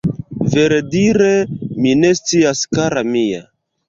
Verdire mi ne scias kara mia